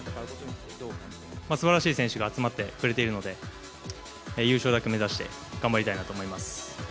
すばらしい選手が集まってくれているので、優勝だけ目指して、頑張りたいなと思います。